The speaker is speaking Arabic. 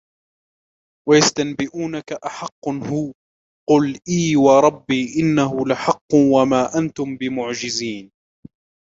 وَيَسْتَنْبِئُونَكَ أَحَقٌّ هُوَ قُلْ إِي وَرَبِّي إِنَّهُ لَحَقٌّ وَمَا أَنْتُمْ بِمُعْجِزِينَ